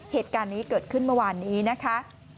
เหตุการณ์นี้เกิดขึ้นเมื่อวานนี้นะคะ